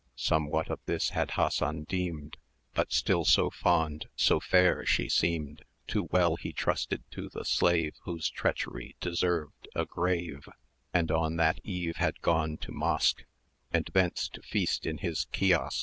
Somewhat of this had Hassan deemed; But still so fond, so fair she seemed, 460 Too well he trusted to the slave Whose treachery deserved a grave: And on that eve had gone to Mosque, And thence to feast in his Kiosk.